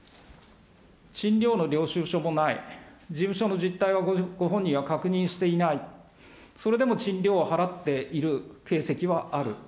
賃料の領収書もない、事務所の実態はご本人は確認していない、それでも賃料を払っている形跡はある。